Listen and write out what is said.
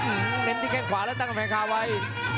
อื้อเน้นที่แค่งขวาแล้วตั้งกับแพทย์ค่าไว้